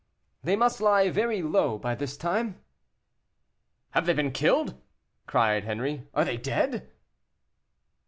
"They must lie very low by this time." "Have they been killed?" cried Henri; "are they dead?"